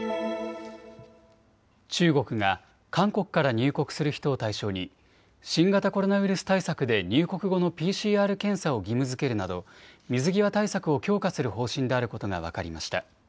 中国が韓国から入国する人を対象に新型コロナウイルス対策で入国後のＰＣＲ検査を義務づけるなど水際対策を強化する方針であることが分かりました。